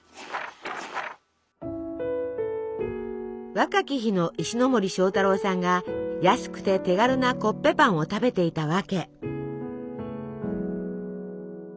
若き日の石森章太郎さんが安くて手軽なコッペパンを食べていた訳。